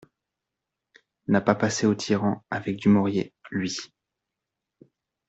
N'a pas passé aux tyrans, avec Dumouriez, lui!